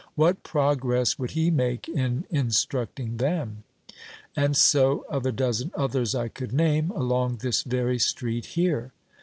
What progress would he make in instructing them? And so of a dozen others I could name along this very street here.